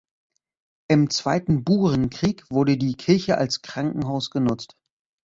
Im Zweiten Burenkrieg wurde die Kirche als Krankenhaus genutzt.